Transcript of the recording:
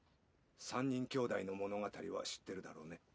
３人兄弟の物語は知ってるだろうね